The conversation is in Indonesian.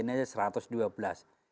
ini ada satu ratus dua puluh dua